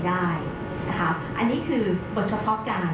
อันนี้คือบทเฉพาะการ